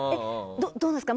どうですか？